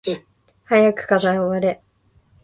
早く課題終われ